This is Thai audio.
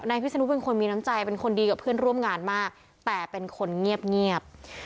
พิศนุเป็นคนมีน้ำใจเป็นคนดีกับเพื่อนร่วมงานมากแต่เป็นคนเงียบ